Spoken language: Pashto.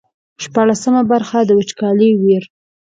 شپاړسمه برخه د وچکالۍ ویر.